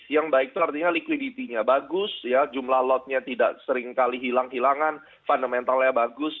yang baik itu artinya liquidity nya bagus jumlah lot nya tidak seringkali hilang hilangan fundamental nya bagus